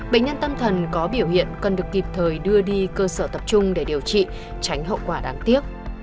bệnh nhân tâm thần có biểu hiện cần được kịp thời đưa đi cơ sở tập trung để điều trị tránh hậu quả đáng tiếc